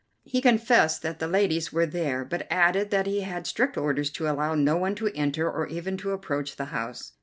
He confessed that the ladies were there, but added that he had strict orders to allow no one to enter or even to approach the house.